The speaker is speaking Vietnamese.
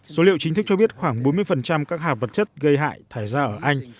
số liệu chính thức cho biết khoảng bốn mươi các hạt vật chất gây hại thải ra ở anh